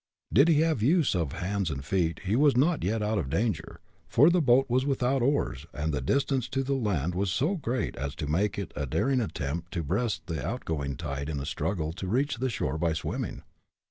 Did he have the use of hands and feet he was not yet out of danger, for the boat was without oars and the distance to the land was so great as to make it a daring attempt to breast the outgoing tide in a struggle to reach the shore by swimming.